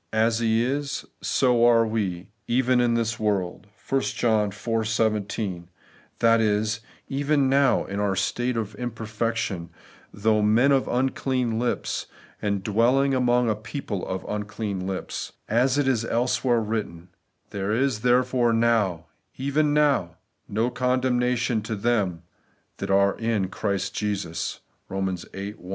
' As He is, so are we (even) in this world' (1 John iv. 17), that is, even now, in our state of imperfection, though men of unclean Kps, and though dwelling among a people of unclean lips ; as it is elsewhere written, ' There is therefore now (even tiow) no condemna tion to them that are in Christ Jesus ' (Eom. viii 1).